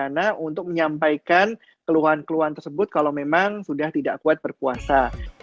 karena untuk menyampaikan keluhan keluhan tersebut kalau memang sudah tidak kuat berpuasa